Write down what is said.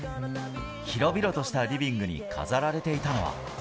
広々としたリビングに飾られていたのは。